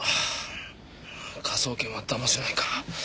科捜研はだませないか。